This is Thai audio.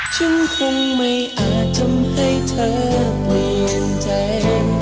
ฉันคงไม่อาจทำให้เธอเปลี่ยนใจ